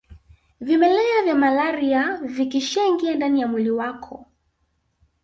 Vimelea vya malaria vikishaingia ndani ya mwili wako